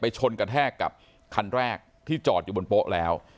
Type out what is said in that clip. ชนกระแทกกับคันแรกที่จอดอยู่บนโป๊ะแล้ว